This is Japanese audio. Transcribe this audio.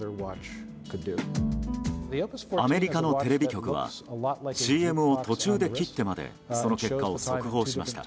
アメリカのテレビ局はＣＭを途中で切ってまでその結果を速報しました。